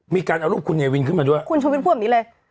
มีการเอารูปคุณเนวินขึ้นมาด้วยคุณชุวิตพูดแบบนี้เลย